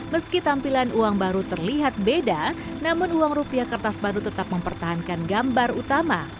meski tampilan uang baru terlihat beda namun uang rupiah kertas baru tetap mempertahankan gambar utama